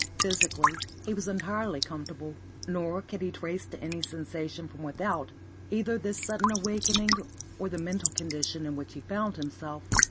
Physically, he was entirely comfortable, nor could he trace to any sensation from without either this sudden awakening or the mental condition in which he found himself.